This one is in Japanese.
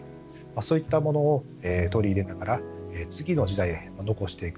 そういったものを取り入れながら次の時代へ残していく。